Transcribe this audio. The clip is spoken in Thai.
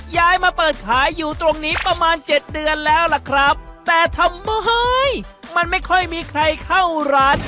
ย้ายมาเปิดขายอยู่ตรงนี้ประมาณเจ็ดเดือนแล้วล่ะครับแต่ทำไมมันไม่ค่อยมีใครเข้าร้าน